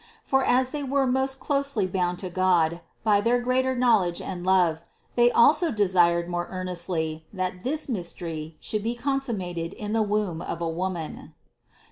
For as they were most closely bound to God by their greater knowledge and love, they also desired more earnestly, that this mystery should be con summated in the womb of a woman.